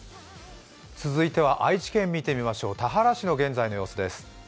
続いては愛知県見てみましょう、田原市の現在の様子です。